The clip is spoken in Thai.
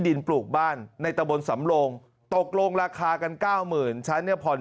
ดินปลูกบ้านในตะบนสำโลงตกลงราคากัน๙๐๐๐๐ชั้นเนี่ยผ่อน